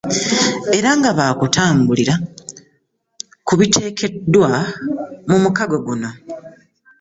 Era nga ba kutambulira ku biteekeddwa mu mukago guno.